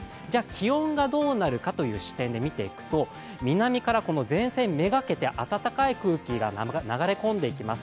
気温がどうなるかという視点で見ていくと、南から前線めがけて暖かい空気が流れ込んでいきます。